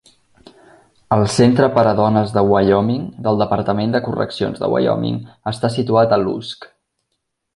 El Centre per a dones de Wyoming del Departament de correccions de Wyoming està situat a Lusk.